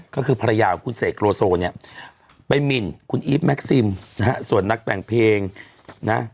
ก็คือภรรยาของคุณเสกโลโซเนี่ยไปหมินคุณอีฟแม็กซิมนะฮะส่วนนักแต่งเพลงนะ